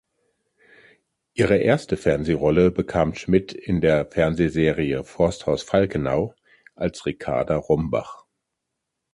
Ihre erste Fernsehrolle bekam Schmid in der Fernsehserie "Forsthaus Falkenau" als "Ricarda Rombach".